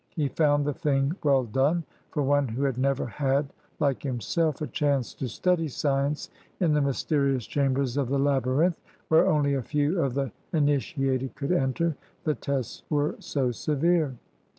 He found the thing well done for one who had never had, like himself, a chance to study science in the mysterious chambers of the Labyrinth, where only a few of the initiated could enter, the tests were so severe.